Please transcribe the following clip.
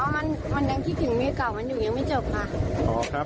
อ๋อมันมันยังคิดถึงเมียเก่ามันอยู่ยังไม่จบล่ะอ๋อครับ